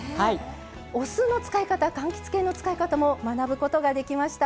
お酢の使い方かんきつ系の使い方も学ぶことができました。